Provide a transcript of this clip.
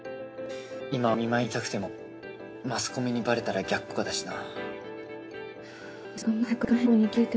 今は見舞いに行きたくてもマスコミにバレたら逆効果だしなぁ。